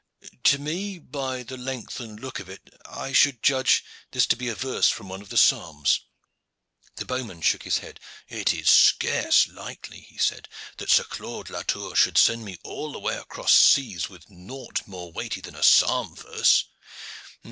To me, by the length and the look of it, I should judge this to be a verse from one of the Psalms." The bowman shook his head. "It is scarce likely," he said, "that Sir Claude Latour should send me all the way across seas with nought more weighty than a psalm verse.